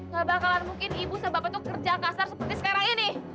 bukan karena ibu sama bapak itu kerja kasar seperti sekarang ini